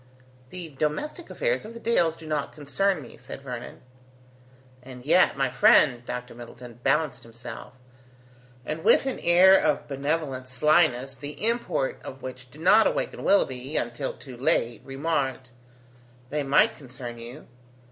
"The domestic affairs of the Dales do not concern me," said Vernon. "And yet, my friend," Dr. Middleton balanced himself, and with an air of benevolent slyness the import of which did not awaken Willoughby, until too late, remarked: "They might concern you.